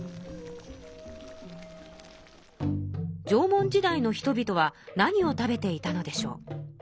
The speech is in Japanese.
縄文時代の人々は何を食べていたのでしょう。